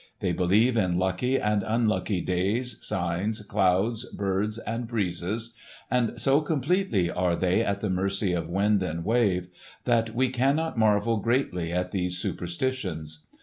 They believe in lucky and unlucky days, signs, clouds, birds, and breezes; and so completely are they at the mercy of wind and wave, that we cannot marvel greatly at these superstitions.